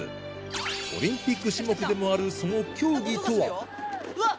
オリンピック種目でもあるその競技とはうわっ